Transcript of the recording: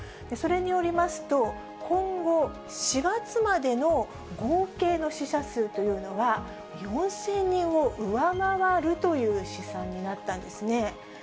それによりますと、今後４月までの合計の死者数というのは、４０００人を上回るという試算になったんですね。